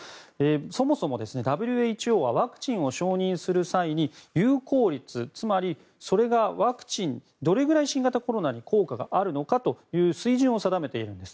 そもそも、ＷＨＯはワクチンを承認する際に有効率、つまりそれがワクチンどれぐらい新型コロナに効果があるのかという水準を定めているんです。